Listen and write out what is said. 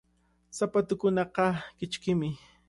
Sapatuukunaqa kichkimi.